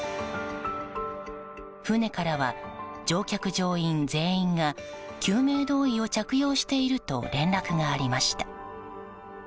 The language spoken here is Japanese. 船からは乗客・乗員全員が救命胴衣を着用していると連絡がありました。